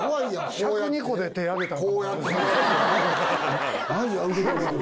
１０２個で手挙げたんか。